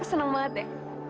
aku seneng banget ya